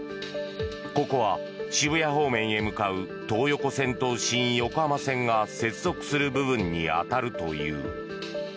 ここは渋谷方面へ向かう東横線と新横浜線が接続する部分に当たるという。